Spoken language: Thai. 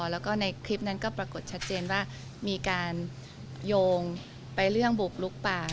แล้วก็ในคลิปนั้นก็ปรากฏชัดเจนว่ามีการโยงไปเรื่องบุกลุกป่า